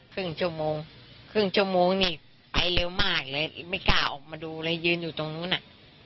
ครึ่งชั่วโมงครึ่งชั่วโมงนี่ไปเร็วมากเลยไม่กล้าออกมาดูเลยยืนอยู่ตรงนู้นอ่ะ